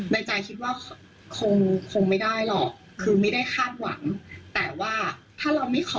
ในใจคิดว่าคงคงไม่ได้หรอกคือไม่ได้คาดหวังแต่ว่าถ้าเราไม่ขอ